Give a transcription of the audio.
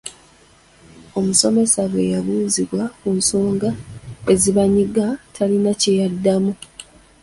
"Omusomesa bwe yabuuzibwa ku nsonga ezibanyiga, talina kye yaddamu."